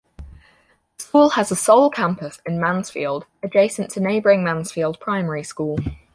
The school has a sole campus in Mansfield, adjacent to neighbouring Mansfield Primary School.